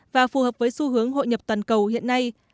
và phù hợp với xu hướng hội nhập toàn cầu hiện nay